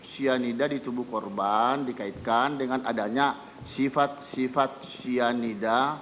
cyanida di tubuh korban dikaitkan dengan adanya sifat sifat cyanida